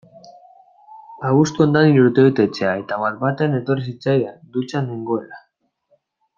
Abuztuan da nire urtebetetzea eta bat-batean etorri zitzaidan, dutxan nengoela.